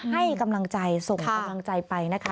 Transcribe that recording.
ให้กำลังใจส่งกำลังใจไปนะคะ